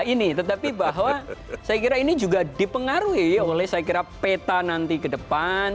ini tetapi bahwa saya kira ini juga dipengaruhi oleh saya kira peta nanti ke depan